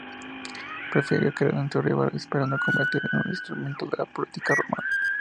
Prefirió creer en su rival, esperando convertirlo en un instrumento de la política romana.